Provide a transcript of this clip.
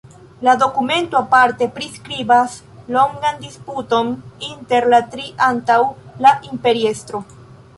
La dokumento aparte priskribas longan disputon inter la tri antaŭ la imperiestro.